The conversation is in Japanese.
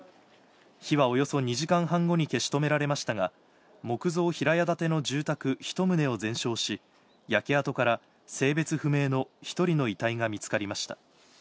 火はおよそ２時間半後に消し止められましたが、木造平屋建ての住宅１棟を全焼し、焼け跡から性別不明の１人の遺体が見つかりました。